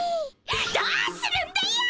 どうするんだよ！